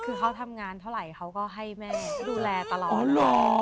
คือเขาทำงานเท่าไหร่เขาก็ให้แม่ดูแลตลอด